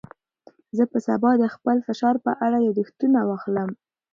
زه به سبا د خپل فشار په اړه یاداښتونه واخلم.